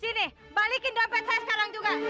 sini balikin dompet saya sekarang juga